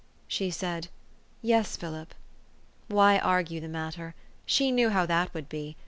She said, "Yes, Philip." Why argue the matter? She knew how that would be.